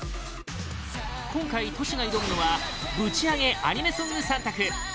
今回、Ｔｏｓｈｌが挑むのはぶちアゲアニメソング３択